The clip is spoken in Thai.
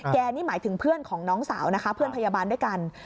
นี่หมายถึงเพื่อนของน้องสาวนะคะเพื่อนพยาบาลด้วยกัน